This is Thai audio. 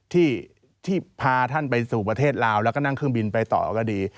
ที่พาท่านไปสู่ประเทศลาวแล้วก็นั่งเครื่องบินไปต่อก็ดี